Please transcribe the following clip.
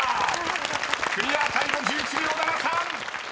［クリアタイム１１秒７３］